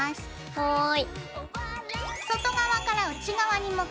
はい。